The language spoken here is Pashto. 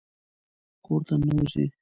کور ته ننوځئ